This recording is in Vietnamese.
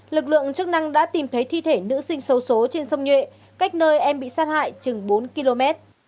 lực lượng chức năng đã tìm thấy thi thể nữ sinh sâu số trên sông nhuệ cách nơi em bị sát hại chừng bốn km